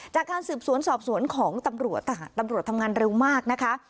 จากการสืบสวนสอบสวนของตำรวจตำรวจทำงานเร็วมากนะคะ